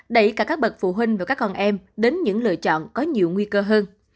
đẩy cả các bậc phụ huynh và các con em đến những lựa chọn có nhiều nguy cơ hơn